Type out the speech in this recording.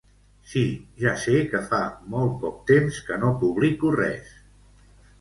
Sí, ja sé que fa molt poc temps que no publico res.